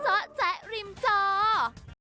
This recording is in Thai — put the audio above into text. เจาะแจกรีมเจาะ